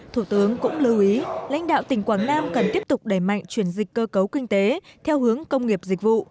thủ tướng cũng lưu ý lãnh đạo tỉnh quảng nam cần tiếp tục đẩy mạnh chuyển dịch cơ cấu kinh tế theo hướng công nghiệp dịch vụ